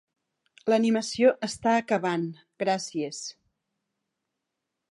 L'animació està acabant, gràcies.